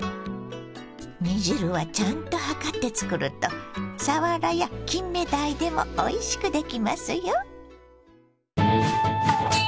煮汁はちゃんと量って作るとさわらやきんめだいでもおいしくできますよ。